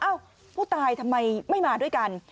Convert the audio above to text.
ผู้ตายทำไมไม่มาด้วยกัน